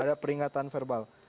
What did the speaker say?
ada peringatan verbal